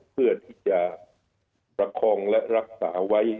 เพื่อที่จะประคองและรักษาไว้